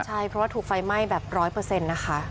ใช่เพราะว่าถูกไฟไหม้แบบ๑๐๐นะคะ